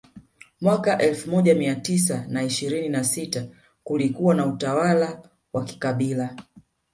Mwaka elfu moja mia tisa na ishirini na sita kulikuwa na utawala wa kikabila